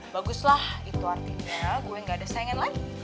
baguslah itu artinya gue gak ada sengen lagi